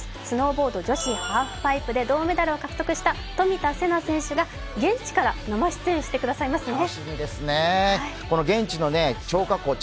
スノーボード女子ハーフパイプで銅メダルを獲得した冨田せな選手が現地から生出演してくださいます。